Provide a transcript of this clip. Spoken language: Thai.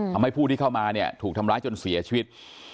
ผู้ที่เข้ามาเนี่ยถูกทำร้ายจนเสียชีวิต